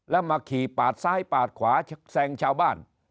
แล้วมาขี่ปาดซ้ายปาดขวาแซงชาวบ้าน